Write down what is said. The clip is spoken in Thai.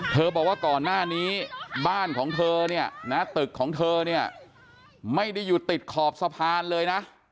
บอกว่าก่อนหน้านี้บ้านของเธอเนี่ยนะตึกของเธอเนี่ยไม่ได้อยู่ติดขอบสะพานเลยนะ